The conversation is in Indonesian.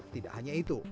tidak hanya itu